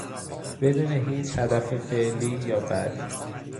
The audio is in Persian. بدون هیچ هدف فعلی یا بعدی